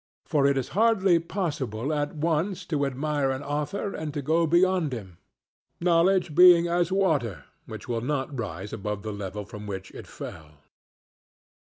For it is hardly possible at once to admire an author and to go beyond him; knowledge being as water, which will not rise above the level from which it fell.